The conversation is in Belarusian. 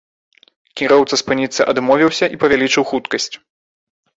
Кіроўца спыніцца адмовіўся і павялічыў хуткасць.